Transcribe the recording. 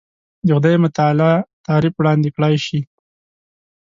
د خدای متعالي تعریف وړاندې کړای شي.